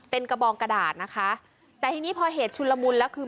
เป็นกระบองกระดาษนะคะแต่ทีนี้พอเหตุชุนละมุนแล้วคือ